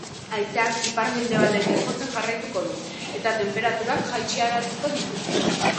Haizeak ipar-mendebaldetik jotzen jarraituko du, eta tenperaturak jaitsaraziko ditu.